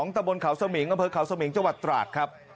ระบงเขาศะมิงอเมฆเขาศะมิงจังหวัดตราดครับ